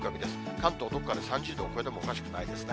関東、どこかで３０度を超えてもおかしくないですね。